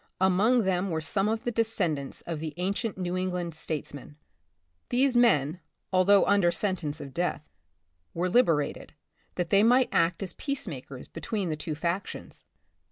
Among them were some of the descendants of the ancient New England statesmen. These men, although under sentence of death, were liberated, that they might act as peacema kers between the two factions.